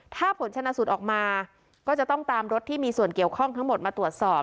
ถ้าผลชนะสูตรออกมาก็จะต้องตามรถที่มีส่วนเกี่ยวข้องทั้งหมดมาตรวจสอบ